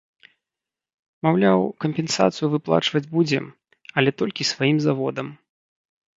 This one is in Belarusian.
Маўляў, кампенсацыю выплачваць будзем, але толькі сваім заводам.